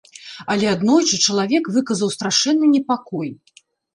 Але аднойчы чалавек выказаў страшэнны непакой.